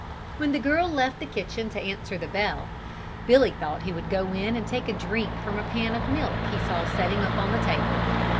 When the girl left the kitchen to answer the bell, Billy thought he would go in and take a drink from a pan of milk he saw setting on the table.